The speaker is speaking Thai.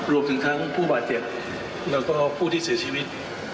รวมถึงทั้งผู้บาดเจ็บแล้วก็ผู้ที่เสียชีวิต